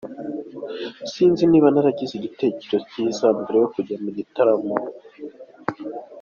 Sinzi niba naragize igitekerezo cyiza mbere yo kujya mu gitaramo.